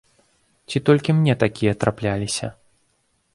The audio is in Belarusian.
Ці толькі мне такія трапляліся?